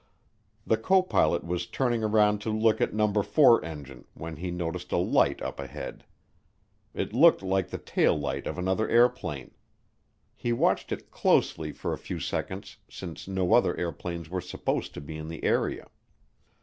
The copilot was turning around to look at number four engine when he noticed a light up ahead. It looked like the taillight of another airplane. He watched it closely for a few seconds since no other airplanes were supposed to be in the area.